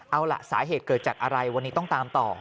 เอาล่ะสาเหตุเกิดจากอะไรวันนี้ต้องตามต่อ